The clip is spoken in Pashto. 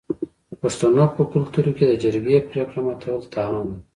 د پښتنو په کلتور کې د جرګې پریکړه ماتول تاوان لري.